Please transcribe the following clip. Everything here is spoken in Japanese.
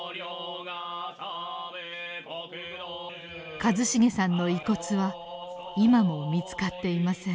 和重さんの遺骨は今も見つかっていません。